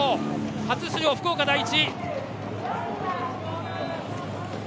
初出場、福岡第一。